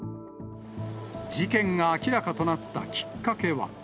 事件が明らかとなったきっかけは。